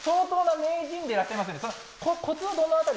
相当な名人でらっしゃいますね。